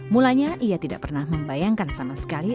mulanya ia tidak pernah membayangkan sama sekali